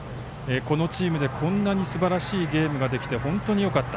このチームでこんなにすばらしいゲームができて本当によかった。